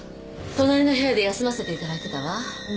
隣の部屋で休ませていただいてたわ。